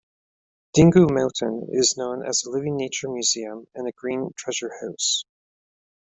Dinghu Mountain is known as a living nature museum and a green treasure house.